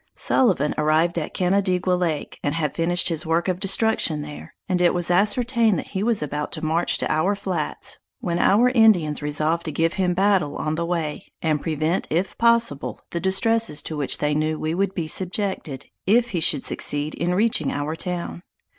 Sullivan arrived at Canandaigua Lake, and had finished his work of destruction there, and it was ascertained that he was about to march to our flats, when our Indians resolved to give him battle on the way, and prevent, if possible, the distresses to which they knew we should be subjected, if he should succeed in reaching our town.